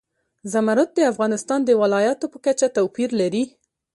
زمرد د افغانستان د ولایاتو په کچه توپیر لري.